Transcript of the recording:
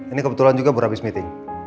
ini kebetulan juga berhabis meeting